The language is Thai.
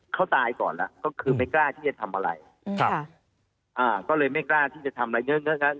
เขาตายก่อนแล้วก็คือไม่กล้าที่จะทำอะไรอ่าก็เลยไม่กล้าที่จะทำอะไร